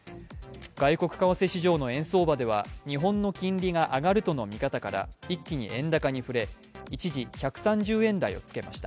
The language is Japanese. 外国為替市場の円相場では日本の金利が上がるとの見方から一気に円高に振れ、一時１３０円台をつけました。